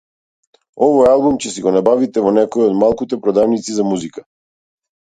Овој албум ќе си го набавите во некоја од малкуте продавници за музика.